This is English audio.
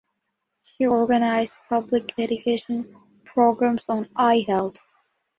She organized public education programs on eye health.